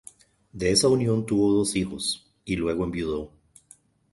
De esa unión tuvo dos hijos, y luego enviudó.